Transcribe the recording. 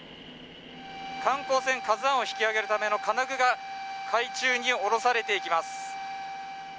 観光船を引き揚げるための金具が海中に降ろされていきます